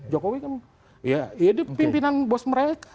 jokowi kan ya pimpinan bos mereka